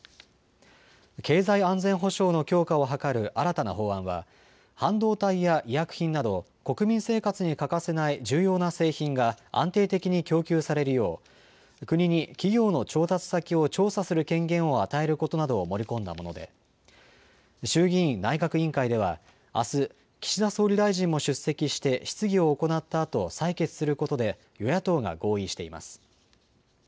経済安全保障の強化を図る新たな法案は半導体や医薬品など国民生活に欠かせない重要な製品が安定的に供給されるよう国に企業の調達先を調査する権限を与えることなどを盛り込んだもので衆議院内閣委員会ではあす岸田総理大臣も出席して質疑を行ったあと採決することで与野党が合意しています。